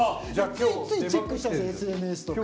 ついついチェックしちゃうんですＳＮＳとか。